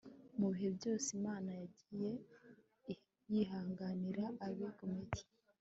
mu bihe byose imana yagiye yihanganira abigomeka